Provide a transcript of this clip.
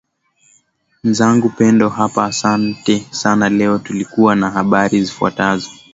nzangu pendo hapa asante sana leo tulikuwa na habari zifuatazo